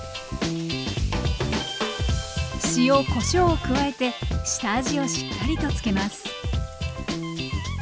塩・こしょうを加えて下味をしっかりとつけます。